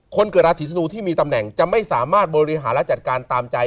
เกิดราศีธนูที่มีตำแหน่งจะไม่สามารถบริหารและจัดการตามใจ